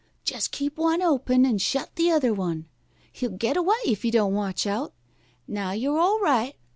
Jus' keep one open and shut the other one. He'll get away if you don't watch out. Now you're all right.